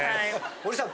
森さん